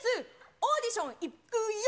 オーディション行くよ。